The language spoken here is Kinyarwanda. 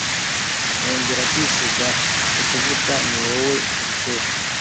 nkongera kwisiga utuvuta ni wowe mbikesha